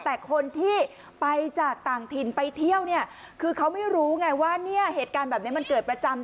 แต่คนที่ไปจากต่างถิ่นไปเที่ยวเนี่ยคือเขาไม่รู้ไงว่าเนี่ยเหตุการณ์แบบนี้มันเกิดประจำ